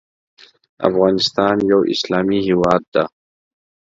افغانستان یو اسلامې هیواد ده